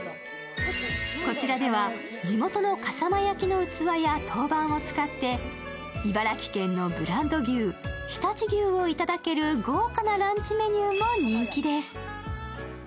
こちらでは、地元の笠間焼の器や陶板を使って茨城県のブランド牛、常陸牛をを頂ける豪華なランチメニューも人気です。